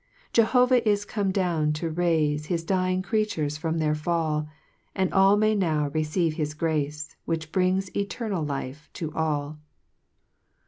9 Jehovah is come down to raifc His dying creatures from their fall ; And all may now receive the grace, Which brings eternal life to all.